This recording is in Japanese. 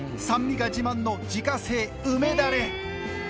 酸味が自慢の自家製梅だれ。